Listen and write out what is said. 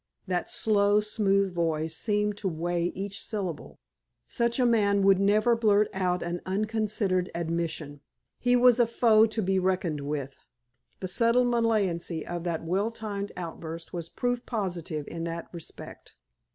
That slow, smooth voice seemed to weigh each syllable. Such a man would never blurt out an unconsidered admission. He was a foe to be reckoned with. The subtle malignancy of that well timed outburst was proof positive in that respect.